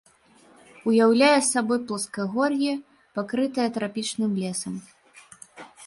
Уяўляе сабой пласкагор'е, пакрытае трапічных лесам.